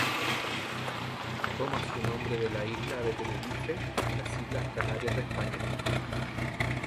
Toma su nombre de la isla de Tenerife en las Islas Canarias de España.